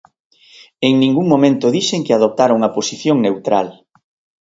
En ningún momento dixen que adoptara unha posición neutral.